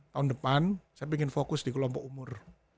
tahun depan saya ingin fokus di kelompok umur